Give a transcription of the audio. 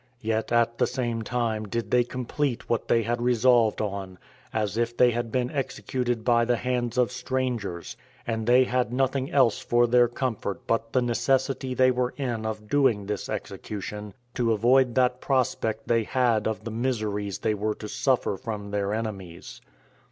Yet at the same time did they complete what they had resolved on, as if they had been executed by the hands of strangers; and they had nothing else for their comfort but the necessity they were in of doing this execution, to avoid that prospect they had of the miseries they were to suffer from their enemies.